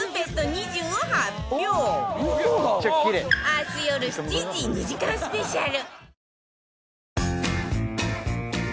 明日よる７時２時間スペシャル